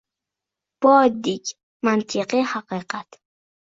Bu — oddiy mantiqiy haqiqat.